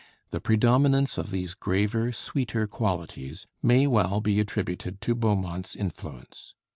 The predominance of these graver, sweeter qualities may well be attributed to Beaumont's influence.